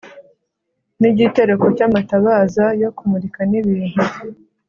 n igitereko cy amatabaza yo kumurika n ibintu